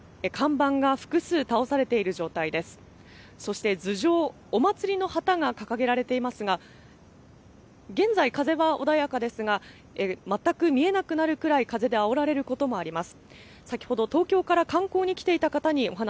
またのぼりや看板が複数倒されている状態です、そして頭上、お祭りの旗が掲げられていますが、現在、風は穏やかですが全く見えなくなるくらい風であおられることもあります。